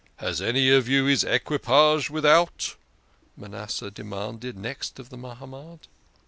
"Has any of you his equipage without?" Manasseh demanded next of the Mahamad.